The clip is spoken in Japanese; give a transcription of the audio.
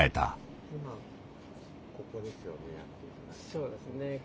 そうですね。